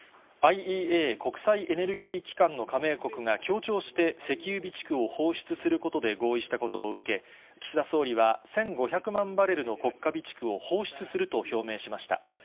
ＩＥＡ・国際エネルギー機関の加盟国が協調して石油備蓄を放出することで合意したことを受け、岸田総理は１５００万バレルの国家備蓄を放出すると表明しました。